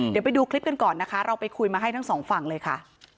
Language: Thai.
เดี๋ยวไปดูคลิปกันก่อนนะคะเราไปคุยมาให้ทั้งสองฝั่งเลยค่ะ